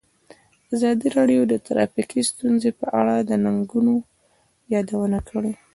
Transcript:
ازادي راډیو د ټرافیکي ستونزې په اړه د ننګونو یادونه کړې.